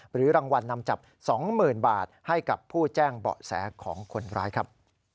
หรือรางวัลนำจับ๒๐๐๐บาทให้กับผู้แจ้งเบาะแสของคนร้ายครับ